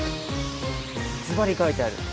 ずばり書いてある。